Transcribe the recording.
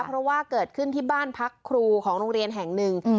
เพราะว่าเกิดขึ้นที่บ้านพักครูของโรงเรียนแห่งหนึ่ง